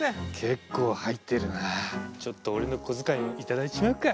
結構入ってるなちょっと俺の小遣いも頂いちまうか。